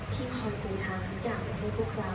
คอยเป็นทางทุกอย่างให้พวกเรา